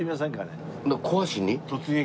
突撃。